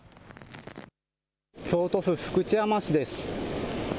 京都府福知山市です。